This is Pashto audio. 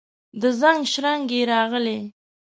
د زنګ شرنګی راغلي